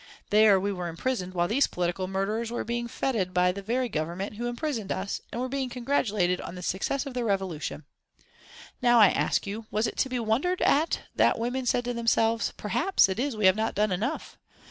There we were imprisoned while these political murderers were being fêted by the very Government who imprisoned us, and were being congratulated on the success of their revolution. Now I ask you, was it to be wondered at that women said to themselves: 'Perhaps it is that we have not done enough.